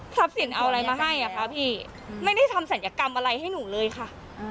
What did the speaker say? สินเอาอะไรมาให้อ่ะคะพี่ไม่ได้ทำศัลยกรรมอะไรให้หนูเลยค่ะ